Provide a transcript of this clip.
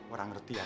orang ngerti ya